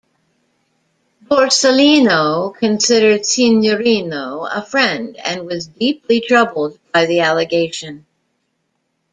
Borsellino considered Signorino a friend and was deeply troubled by the allegation.